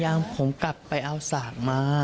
ผมกลับไปเอาสากมา